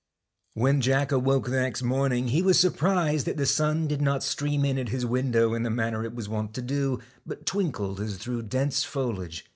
When Jack awoke next morning he was sur prised that the sun did not stream in at his window in the manner it was wont to do, but twinkled as through dense foliage.